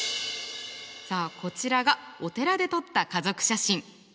さあこちらがお寺で撮った家族写真。